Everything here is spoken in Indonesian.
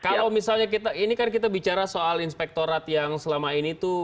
kalau misalnya kita ini kan kita bicara soal inspektorat yang selama ini tuh